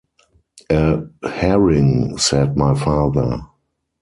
"A herring," said my father.